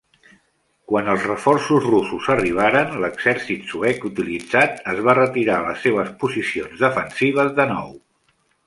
Quan els reforços russos arribaren, l'exèrcit suec utilitzat es va retirar a les seves posicions defensives de nou.